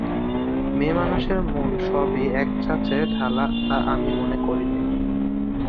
মেয়েমানুষের মন সবই যে এক-ছাঁচে-ঢালা তা আমি মনে করি নে।